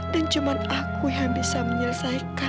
dan cuma aku yang bisa menyelesaikan